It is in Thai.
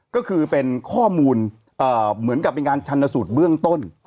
ก็คือเป็นข้อมูลเหมือนกับเป็นการชันสูตรเบื้องต้น